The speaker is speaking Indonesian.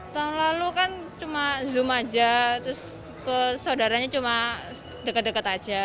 tahun lalu kan cuma zoom aja terus saudaranya cuma dekat dekat aja